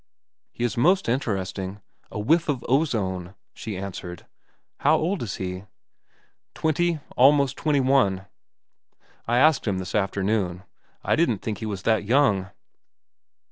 "He is most interesting, a whiff of ozone," she answered. "How old is he?" "Twenty—almost twenty one. I asked him this afternoon. I didn't think he was that young."